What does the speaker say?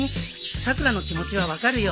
さくらの気持ちは分かるよ。